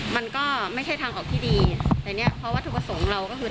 มันก็ไม่ใช่ทางออกที่ดีแต่เนี้ยเพราะวัตถุประสงค์เราก็คือ